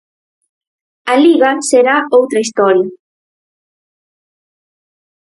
A Liga será outra historia.